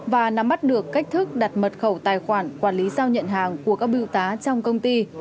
và nắm bắt được cách thức đặt mật khẩu tài khoản quản lý giao nhận hàng của các biêu tá trong công ty